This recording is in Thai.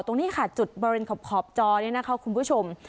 ตรงนี้ค่ะจุดบริเวณขอบขอบจอด้วยนะครับคุณผู้ชม